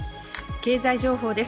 経済情報です。